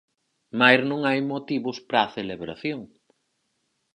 Mais non hai motivos para a celebración.